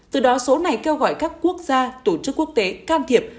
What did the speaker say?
từ đó số này kêu gọi các quốc gia tổ chức quốc tế can thiệp